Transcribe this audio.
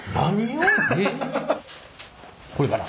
これかな。